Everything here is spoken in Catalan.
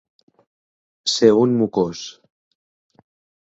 Ser un mocós.